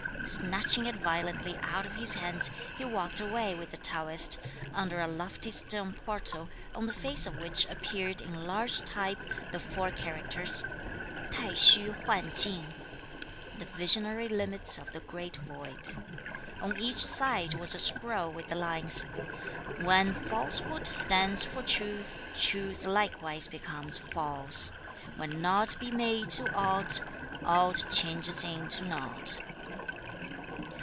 Snatching it violently out of his hands, he walked away with the Taoist, under a lofty stone portal, on the face of which appeared in large type the four characters: "T'ai Hsü Huan Ching," "The Visionary limits of the Great Void." On each side was a scroll with the lines: When falsehood stands for truth, truth likewise becomes false, Where naught be made to aught, aught changes into naught.